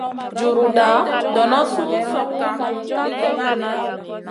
Juruda dono suh slokŋa ligi ŋali.